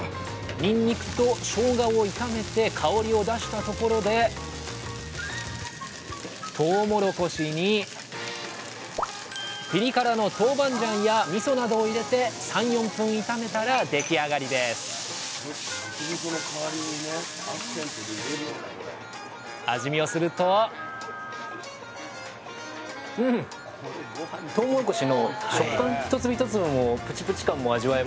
にんにくとしょうがを炒めて香りを出したところでとうもろこしにピリ辛のトウバンジャンやみそなどを入れて３４分炒めたら出来上がりです味見をするとみその味もありますし。